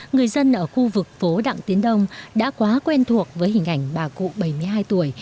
người dân ở khu vực phố đặng tiến đông đã quá quen thuộc với hình ảnh bà cụ bảy mươi hai tuổi